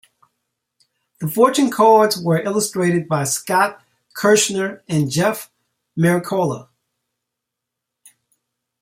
The Fortune cards were illustrated by Scott Kirschner and Jeff Miracola.